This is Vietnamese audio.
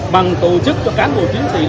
bằng tổ chức cho cán bộ chiến sĩ